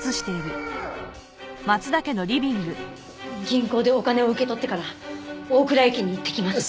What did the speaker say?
銀行でお金を受け取ってから大蔵駅に行ってきます。